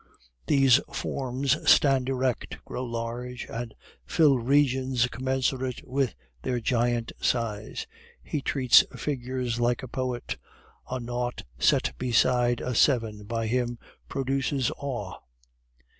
These forms stand erect, grow large, and fill regions commensurate with their giant size. He treats figures like a poet; a naught set beside a seven by him produces awe.